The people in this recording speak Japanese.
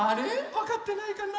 わかってないかな？